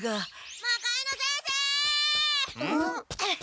魔界之先生！